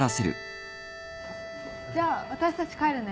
じゃ私たち帰るね。